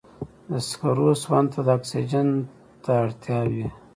د سکرو سون ته د اکسیجن ته اړتیا وي.